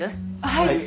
はい。